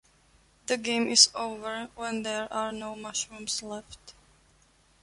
The game is over when there are no Mushrooms left.